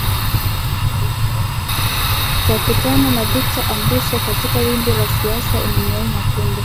takutana na victor abuso katika wimbi la siasa emanuel makunde